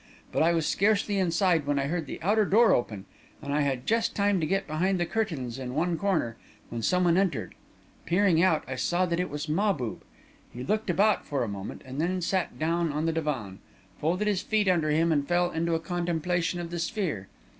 But I was scarcely inside, when I heard the outer door open, and I had just time to get behind the curtains in one corner, when someone entered. Peering out, I saw that it was Mahbub. He looked about for a moment, and then sat down on the divan, folded his feet under him, and fell into a contemplation of the sphere.